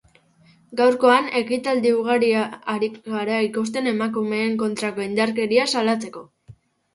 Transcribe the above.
Gaurkoan, ekitaldi ugari ari gara ikusten emakumeen kontrako indarkeria salatzeko.